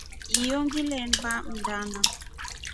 Iyo ngilenda mndana.